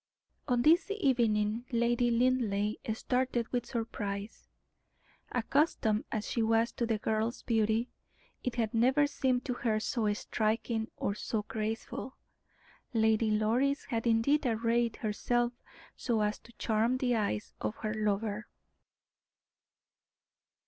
On this evening Lady Linleigh started with surprise. Accustomed as she was to the girl's beauty, it had never seemed to her so striking or so graceful. Lady Doris had indeed arrayed herself so as to charm the eyes of her lover.